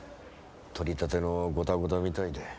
取り立てのゴタゴタみたいで。